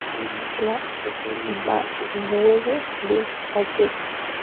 La Bazouge-des-Alleux